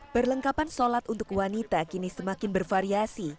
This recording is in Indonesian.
perlengkapan sholat untuk wanita kini semakin bervariasi